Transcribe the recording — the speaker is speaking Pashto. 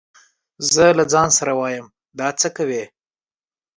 زه له ځان سره وايم دا څه کوي.